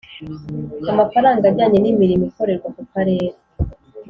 Amafaranga ajyanye n imirimo ikorerwa ku Karere